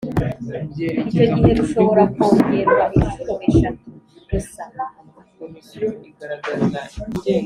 icyo gihe rushobora kwongerwa inshuro eshatu gusa.